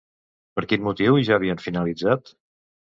Per quin motiu ja havien finalitzat?